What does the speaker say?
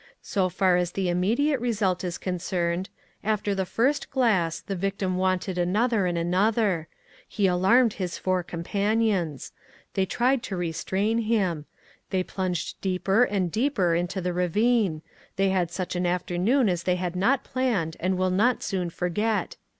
So far as the immediate re sult is concerned, after the first glass, the victim wanted another and another; he alarmed his four companions ; they tried to restrain him ; they plunged deeper and deeper into the ravine ; they had such an afternoon as they had not planned and will not soon forget.